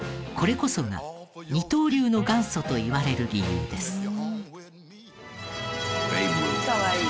これこそが二刀流の元祖といわれる理由です。